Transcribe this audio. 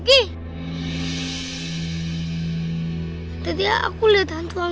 kita lihat aku lihat hamburan